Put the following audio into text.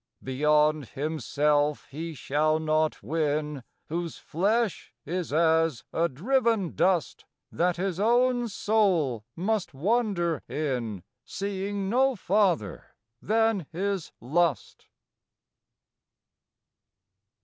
Beyond himself he shall not win Whose flesh is as a driven dust, That his own soul must wander in, Seeing no farther than his lust.